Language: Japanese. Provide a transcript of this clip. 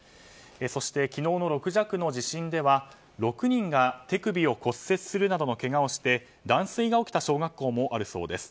そして、昨日の６弱の地震では６人が手首を骨折するなどのけがをして断水が起きた小学校もあるそうです。